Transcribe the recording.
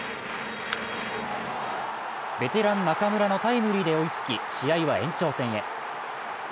ベテラン・中村のタイムリーで追いつき試合は延長戦へ。